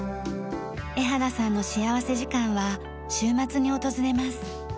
江原さんの幸福時間は週末に訪れます。